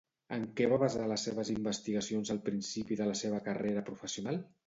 En què va basar les seves investigacions al principi de la seva carrera professional?